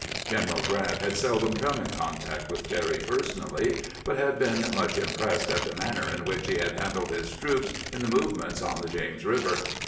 General Grant had seldom come in contact with Terry personally, but had been much pleased at the manner in which he had handled his troops in the movements on the James Eiver.